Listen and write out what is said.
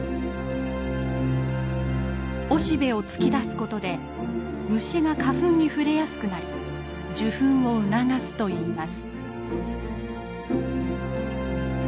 おしべを突き出すことで虫が花粉に触れやすくなり受粉を促すといいます。